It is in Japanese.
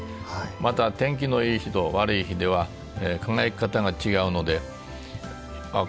また天気のいい日と悪い日では輝き方が違うのであっ